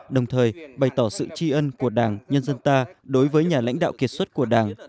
đồng thời bày tỏ sự tri ân của đảng nhân dân ta đối với nhà lãnh đạo kiệt xuất của đảng